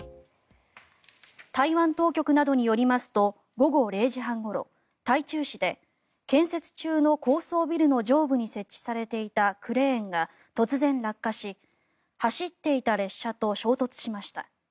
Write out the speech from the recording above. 台湾当局などによりますと午後０時半ごろ、台中市で建設中の高層ビルの上部に設置されていたクレーンが突然、落下し走っていた列車と衝突しました。